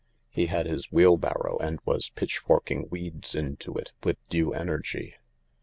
He had his wheelbarrow and was pitchforking weeds into it with due energy.